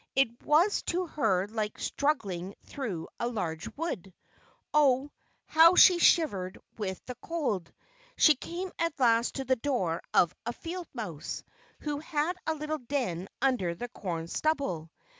It was to her like struggling through a large wood. Oh! how she shivered with the cold. She came at last to the door of a field mouse, who had a little den under the corn stubble.